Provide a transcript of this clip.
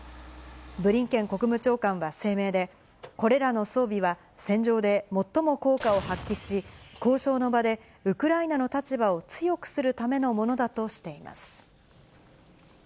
ブリンケン国務長官は声明で、これらの装備は、戦場で最も効果を発揮し、交渉の場でウクライナの立場を強くするためのものだとしています。